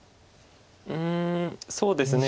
うんそうですね